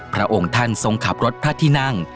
พระองค์ท่านทรงขับรถพระที่นั่ง